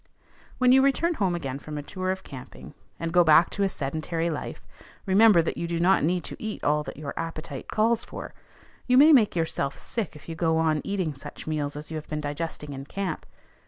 When you return home again from a tour of camping, and go back to a sedentary life, remember that you do not need to eat all that your appetite calls for. You may make yourself sick if you go on eating such meals as you have been digesting in camp.